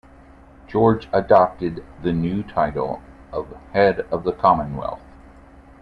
George adopted the new title of Head of the Commonwealth.